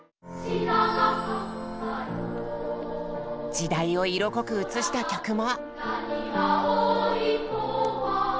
時代を色濃く映した曲も。